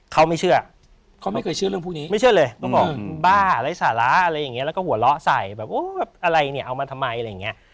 เขาไม่เชื่อเขาไม่เคยเชื่อเรื่องพวกนี้ไม่เชื่อเลยเขาบอกบ้าไร้สาระอะไรอย่างนี้แล้วก็หัวเราะใส่แบบโอ้แบบอะไรเนี่ยเอามาทำไมอะไรอย่างนี้